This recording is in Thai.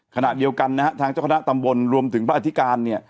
ขณะเดียวกันนะฮะทางเจ้าคณะตำบลรวมถึงพระอธิการเนี่ย